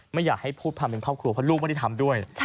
ไม่อยากให้พูดความเป็นครอบครัวเพราะลูกไม่ได้ทำด้วย